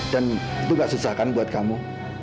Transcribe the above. dan itu tidak susahkan buat kamu